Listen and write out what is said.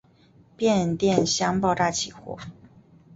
变电箱爆炸起火。